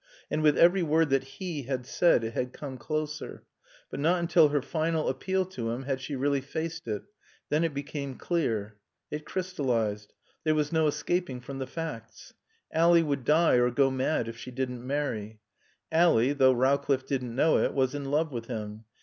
And with every word that he had said it had come closer. But not until her final appeal to him had she really faced it. Then it became clear. It crystallised. There was no escaping from the facts. Ally would die or go mad if she didn't marry. Ally (though Rowcliffe didn't know it) was in love with him.